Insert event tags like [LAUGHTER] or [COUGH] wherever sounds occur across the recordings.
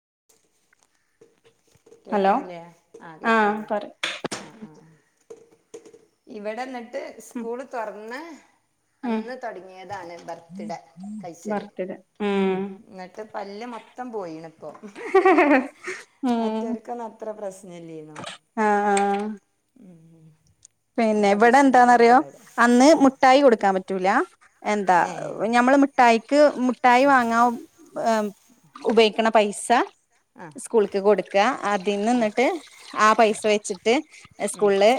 [UNINTELLIGIBLE] Hello കേക്കണില്ലേ? ആ ആഹ് കേക്കണില്ലേ പറയ് ആ ആ ഇവിടെ എന്നിട്ട് ഉം സ്കൂള് തുറന്ന് ഉം അന്ന് തുടങ്ങിയതാണ് ബർത്ത് ഡേ കഴിച്ചല്. ഉം. എന്നിട്ട് പല്ല് മൊത്തം പോയിണ്. മറ്റവർക്കൊന്നും അത്ര പ്രശ്നമില്ലിന്നോ? ആ ആ പിന്നെ നിങ്ങളെ ഇവിടെ ദുഷ്യമ്മനുണ്ട് എന്താന്നറിയോ? ഇവിടെ അന്ന് ആ മുഠായി കൊടുക്കാൻ പറ്റൂല. എന്താ ഏ ഞമ്മള് മിഠായിക്ക് മുഠായി വാങ്ങാവ ഉപയോഗിക്കണ പൈസ ആ സ്കൂളക്ക് കൊടുക്കുക. അതിന്ന് എന്നിട്ട് ആ പൈസ വെച്ചിട്ട് സ്കൂളില്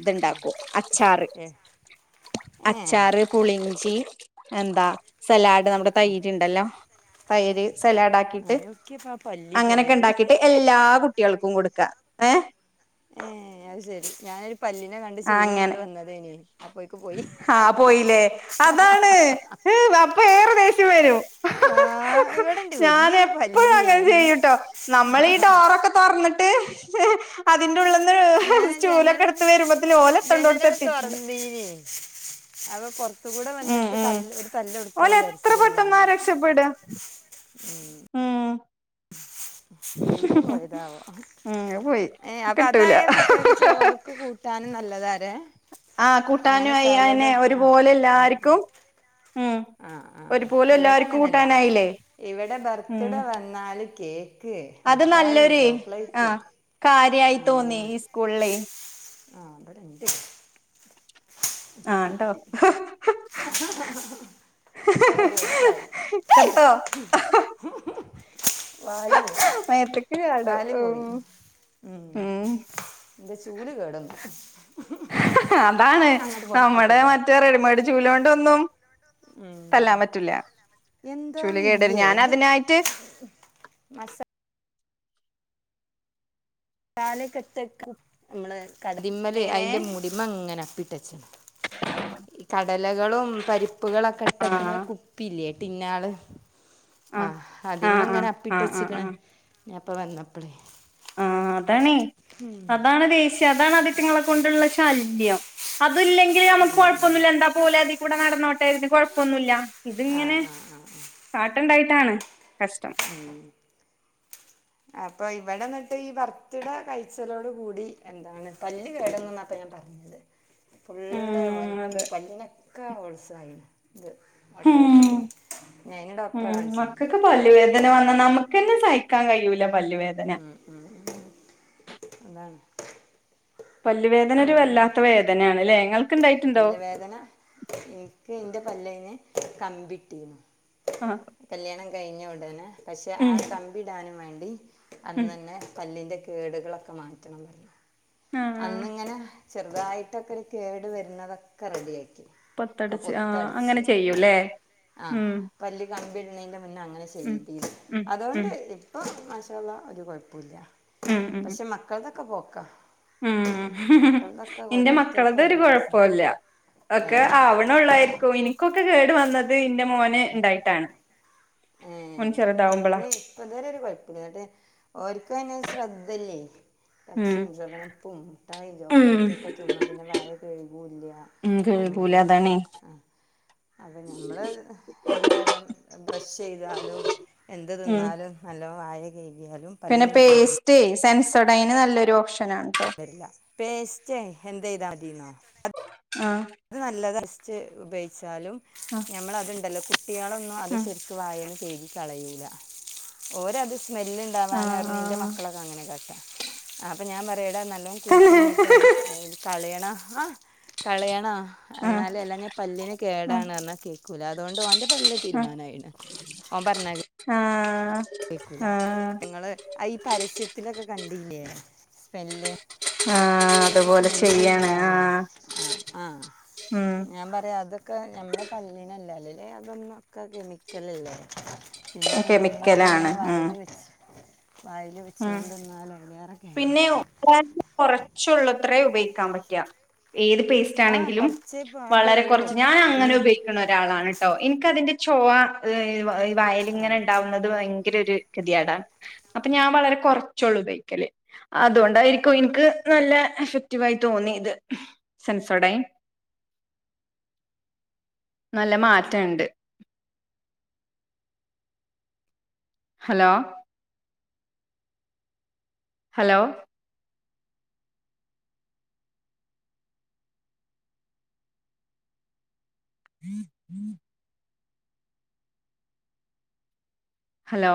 ഇതുണ്ടാക്കും. അച്ചാറ് ഏ ഏ അച്ചാറ് പുളി ഇ ഞ്ചി എന്താ? സലാഡ് നമ്മുടെ തൈര് ഉണ്ടല്ലോ? തൈര് സലാഡ് ആ, ആക്കിട്ട് നോക്കിയപ്പോ ആ പല്ലി അങ്ങനൊക്കെ പോയത് ഉണ്ടാക്കിട്ട് എല്ലാ കുട്ടികൾക്കും കൊടുക്കാം. ഏ ഏ അത് ശരി ഞാന പല്ലിനെ കണ്ട് ചൂലും കൊണ്ട് അങ്ങനെ വന്നത് ഇനി അപ്പോക്ക് പോയി. ആ ഹ ഹ ഏ അപ്പൊ ഏറെ ദേഷ്യം വരും. ആ ഇവിടെണ്ട് ഞാൻ വലിയൊരു എപ്പോഴും പല്ലിയേ അങ്ങനെ ചെയ്യൂട്ടോ. നമ്മളീ ഡോറൊക്കെ തറന്നിട ട്ട് അ ഞാന് ജനൽ ഓല് ജനല എത്തണ്ടോടത്ത് എത്തിയിട്ടുണ്ട് തുറന്നീനേ അപ - പൊറത്തക്കൂടെ ഉം വന്നിട്ട് ഉം തല്ല് ഒരു തല്ലല് എടുക്കാ ഓല് എത്ര പെട്ടെന്നാ വിചാരിച്ചതിനി- രക്ഷപ്പെടുക ആ മ് എയിലെ പോയതാവോ? ഉം അത് പോയി ഏ അപ്പൊ കിട്ടൂല അതായ കുട്ടികൾക്ക് ചോറ്ക്ക് കൂട്ടാനും നല്ലതാ. ആ കൂട്ടനുആയി അതെന്നെ ആ ഒരുപോലെല്ല അങ്ങനെ. ആർക്കും ഉ ആ ആ ഇവിടെ അങ്ങനല്ല കൂട്ടാനായില്ലേ ഇവിടെ ഉം ബർത്ത്ഡേ വന്നാല് കെ- അത് മിഠായി ചോക്ലേറ്റ്- യായി തോന്നി ഈ സ്കൂളിൽ- ആഹ് ഇബാടൻഡ് ആഹ് ണ്ടോ? കുറേ ദിവസായി. ചത്തോ വാല് പോയി മേത്തക്ക് ചാടോ വാല് പോയി ഉം മ് ന്റെ ചൂല് കേടുന്നു അതാണ് അങ്ങോട്ട് പുറത്തേക്ക് നമ്മടെ മറ്റേ റെഡിമേഡ് ചൂല് കൊണ്ടൊന്നും- തല്ലാൻ മ്മ് പറ്റൂല ചൂല് കേടരും എന്താന്നില്ലേ ഞാൻ ഇത് അതിനായിട്ട് - മസ- കാലക്കെട്ടക്ക നമ്മ കല്ലിമ്മൽ എങ്ങനെ അതിന്റെ മുടിമങ്ങനെ അപ്പിട്ടച്ച- കടലകളും പരിപ്പുകളൊക്കെ ആ ഇട്ടക്കണ കുപ്പില്ലേ- പിന്നാള് ആ ആഹ് ആ അതിമ്മ ആ എങ്ങനെ ആ അപ്പിട്ട ആ ആ ച്ചക്കണ്- ഞാൻപ്പ വന്നപ്പളേ. അതണ അതാണ് ദേശ്യ അതാണ് അതിറ്റങ്ങളെ കൊണ്ടുള്ള ശല്യം. പ്പല്ലിങ്കിൽ ഞമ്മക്ക് കൊയപ്പൊന്നുല്ല എന്താപ്പോ ഓലടീക്കൂടേ നടന്നോട്ടെ എന്താപ്പോ കൊയപ്പോന്നൂല്ല്ല ആ ഇതിങ്ങനെ ആ ആ കാട്ടണ്ടായിട്ടാണ്. മ് അപ്പൊ ഇവിടെന്നിട്ട് ഈ ഭർത്തിട കഴിച്ചലോട് കൂടി എന്താണ് പല്ല് കേടന്നു. ഞാൻ പറഞ്ഞത് ഫുള്ള് ഉം അതെ പന്നക്ക വത്സയിരുന്നു ഞാൻ അതിന് ഡോക്ടറെ മ് കാണിച്ചിട്ടുണ്ട് മക്കക്ക് പല്ല് വേദന - നമുക്കെന്നെ സഹിക്കാൻ കഴിൂല അതാണ്. പല്ലുവേദന ഒരു വല്ലാത്ത വേദനയാണ്ല്ലേ ങ്ങൾ. പല്ല വേദന എനിക്ക് എന്റെ പല്ലയിനെ കമ്പിട്ടിരുന്നു. ആഹ് കല്യാണം കഴിഞ്ഞ ഉടനെ പക്ഷെ ആ ഉം കമ്പിടാനും വേണ്ടി- ഉം അന്നന്നെ പല്ലിന്റെ കേടുകളൊക്കെ മാറ്റണംന്ന് ആഹ് അന്നിങ്ങനെ- ചെറുതായിട്ടൊക്കെ കേട് വരുന്നതൊക്കെ റെഡി ആയി. പത്തടച്ച് ആ അങ്ങനെ ചെയ്യൂല്ലേ മ്. കമ്പിടണതിൻ്റെ മുന്നേ അങ്ങനെ ചെയ്തി ഉം അതുകൊണ്ട് ഉം ഇപ്പം മാഷാഅള്ള ഒരു കുഴപ്പമില്ല. ഉം ഉം പക്ഷെ മക്കൾ തൊക്കെ പോക്കാ. ഉം മക്കളതൊക്കെ നിന്റെ ഓരോരുത്തർക്കും മക്കളതൊരു ഓരോ പ്രശ്ന കൊയപ്പല്ല. ഒക്കെ ഏഹ് ആവണള്ളായിരിക്കും ഇനി- ക്കെ കേടു വന്നത് ന്റെ മോന് ഉണ്ടായിട്ടാണ് മോന് ചെറുതാാവുമ്പോളാ- ഇപ്പ തരെ ഒരു കുഴപ്പമില്ല കേട്ടെ ർക്കും ഓർക്ക് ശ്രദ്ധല്ലേ. ഉം പേപ്സിം ജോ ഉം പ്ലൈറ്റ ഒക്കെ തിന്നും പിന്നെ വായ കഴി- കുല്ല ഉം കേൾക്കൂല അങ്ങനെ അതാണേ - അപ്പൊ ഞമ്മള് രണ്ട് നേരം ബ്രഷ് ചെയ്താലും എന്ത- ഉം എന്നാലും നല്ല വായ കയി- പിന്നെ പേസ്റ്റ് സെൻസഡായിൻ നല്ലൊരു ഓപ്ഷൻ. രില്ല പേസ്റ്റ് എന്തായ്ത മതിന്നോ- ആഹ് അത് നല്ലത് ഫസ്റ്റ് ഉപയോഗിച്ചാലും. ആഹ് ഞമ്മള അതുണ്ടല്ലോ കുട്ടികളൊന്നും അത് ഉം ശെര്ക്ക് വായന്ന് ചെയ്യും. ഈ കളയീല ഓരത് സ്മെല്ലിണ്ടാവാന ആഹ് പറഞ്ഞ്, ൻ്റെ ആഹ് മക്കളൊക്കെ അങ്ങന്യ കാട്ടാ. ആ അപ്പൊ ഞാൻ പറയുഎടാ നല്ലോണം തന്നെ കുലുക്കുഴുഞ്ഞിട്ട് അത് കളയണം. ആ കളയാ ആ ആഹ് ആഹ് ആഹ് എന്നാലും അല്ലാഞ്ഞ പല്ലിന് കേടാണ് എന്നൊക്കേ. കൂല അതുകൊണ്ട് ഓന്റെ പല്ല് തീരുമാനമായിണ് ഓൻ പറഞ്ഞ ആഹ് കേക്കൂല ആഹ് നിങ്ങള് ഈ പരസ്യത്തിലൊക്കെ കണ്ടില്ലേ സ്മെല്ല് ആ അതുപോലെ സ്മെല്ല് ചെയ്യാണ് ആ. ഉണ്ടാവുമല്ലോ ആ ആ ഞാൻ പറയ അത് ക്ക നമ്മുടെ പല്ലിനല്ല അല്ലല് അതൊന്നൊക്കെ കെമിക്കലല്ലേ പിന്നെപ്പ ഞമ്മൾ അത് കെമിക്കലാണ് ഇങ്ങനെ ഉം വായില് വെച്ച് വായില് വെച്ച് കൊണ്ടന്നാലെടങ്ങേറാ പിന്നെയും കുറച്ചുള്ളത്രേ ഉപയോഗിക്കാൻ പറ്റുക. ഏത് പേസ്റ്റ് ആ ആണെങ്കിലും കുറച്ചേ വളരെ പാടുള്ളൂ കുറച്ച് ഞാൻ അങ്ങനെ പിന്നെ ഉപയോഗിക്കണ ഒരാളാണ് കേട്ടോ എനിിക്കതിന്റെ ചൊവ ആ വായിലിങ്ങനെ ഉണ്ടാവുന്നത് ഭയ ങ്കര ഒരു ഗതികേടാ അപ്പൊ ഞാൻ വളരെ കൊറച്ചുള്ളു ഉപയോഗിക്കല്. അതുകൊണ്ടായിരിക്കും എനിക്ക് നല്ല എഫക്റ്റീവ് ആയി തോന്നി ഇത് സെൻസോഡൈൻ. നല്ല മാറ്റഅണ്ട്. Hello hello [UNINTELLIGIBLE] hello